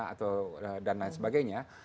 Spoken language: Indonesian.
atau dan lain sebagainya